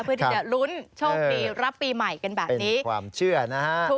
เพื่อที่จะลุ้นโชคดีรับปีใหม่กันแบบนี้ความเชื่อนะฮะ